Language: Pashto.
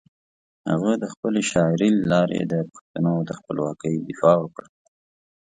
هغه د خپلې شاعري له لارې د پښتنو د خپلواکۍ دفاع وکړه.